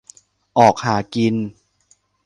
ออกหากิน